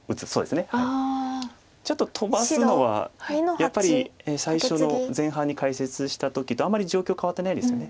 やっぱり最初の前半に解説した時とあんまり状況かわってないですよね。